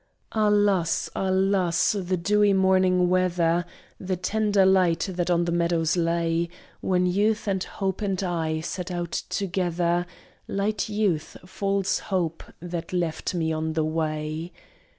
"Alas, alas! the dewy morwing weather, The tender light that on the meadows lay, When Youth and Hope and I set out together, Light Youth, false Hope, that left me on the way!"